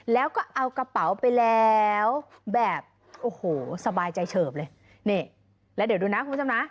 แล้วก็เอากระเป๋าไปแล้วแบบโอ้โหสบายใจเฉิบเลยนี่แล้วเดี๋ยวดูนะคุณผู้ชมนะ